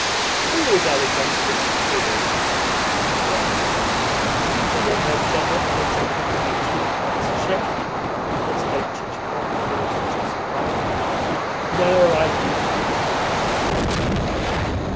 "Who is Alexander Dmitrievitch?" "What? You do not know General Alexander Dmitrievitch Betrishev?" exclaimed Chichikov with a touch of surprise. "No, I do not," replied the gentleman.